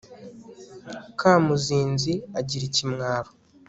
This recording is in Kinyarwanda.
Kamuzinzi agira ikimwaro